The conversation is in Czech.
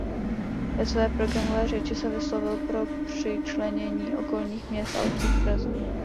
Ve své programové řeči se vyslovil pro přičlenění okolních měst a obcí k Praze.